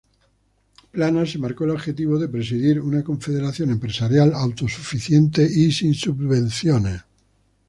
Planas se marcó el objetivo de presidir una confederación empresarial "autosuficiente y sin subvenciones"